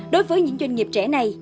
đối với những doanh nghiệp trẻ này